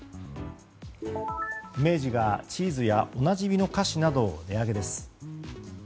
明治がチーズやおなじみの菓子などを値上げです。